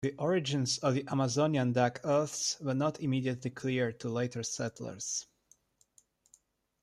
The origins of the Amazonian dark earths were not immediately clear to later settlers.